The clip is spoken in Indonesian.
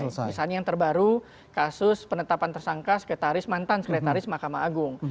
misalnya yang terbaru kasus penetapan tersangka sekretaris mantan sekretaris mahkamah agung